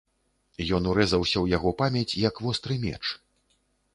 Ён урэзаўся ў яго памяць, як востры меч.